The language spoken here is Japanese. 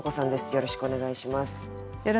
よろしくお願いします。